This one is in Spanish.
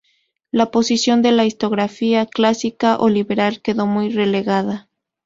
La posición de la historiografía clásica o liberal quedó muy relegada.